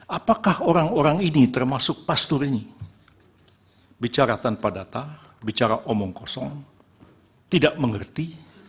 apakah orang orang ini termasuk pastor ini bicara tanpa data bicara omong kosong tidak mengerti